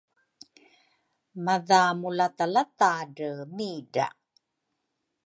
Madha mulatalatadre midra!